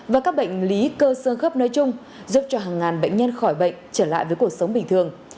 và các bệnh lý cơ sơ gấp nói chung giúp cho hàng ngàn bệnh nhân khỏi bệnh trở lại với cuộc sống bình thường